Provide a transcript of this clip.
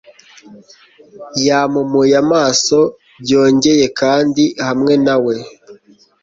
yampumuye amaso byongeye kandi hamwe na we